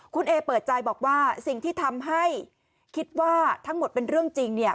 คุณเอเปิดใจบอกว่าสิ่งที่ทำให้คิดว่าทั้งหมดเป็นเรื่องจริงเนี่ย